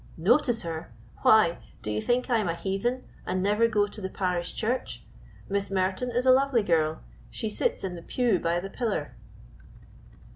"Notice her! why, do you think I am a heathen, and never go to the parish church? Miss Merton is a lovely girl; she sits in the pew by the pillar."